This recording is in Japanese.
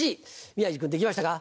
宮治君できましたか？